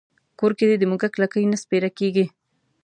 کور کې دې د موږک لکۍ نه سپېره کېږي.